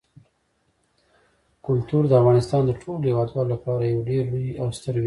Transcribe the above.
کلتور د افغانستان د ټولو هیوادوالو لپاره یو ډېر لوی او ستر ویاړ دی.